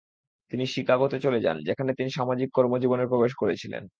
তিনি শিকাগোতে চলে যান, যেখানে তিনি সামাজিক কর্মজীবনে প্রবেশ করেছিলেন।